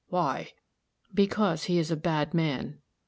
"Why?" "Because he is a bad man."